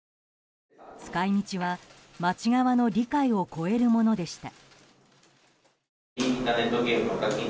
使い道は、町側の理解を超えるものでした。